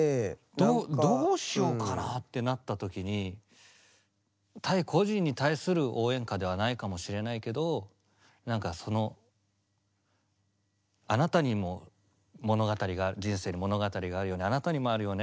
どうどうしようかなってなった時に対個人に対する応援歌ではないかもしれないけど何かそのあなたにも物語が人生の物語があるようにあなたにもあるよね